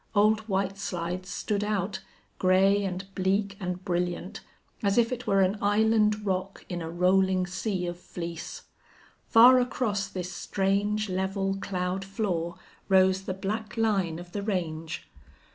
Old White Slides stood out, gray and bleak and brilliant, as if it were an island rock in a rolling sea of fleece. Far across this strange, level cloud floor rose the black line of the range.